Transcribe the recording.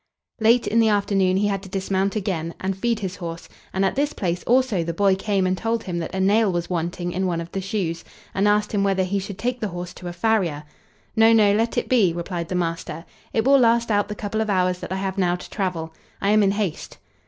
Late in the afternoon he had to dismount again, and feed his horse, and at this place also the boy came and told him that a nail was wanting in one of the shoes, and asked him whether he should take the horse to a farrier. "No, no, let it be!" replied the master; "it will last out the couple of hours that I have now to travel; I am in haste."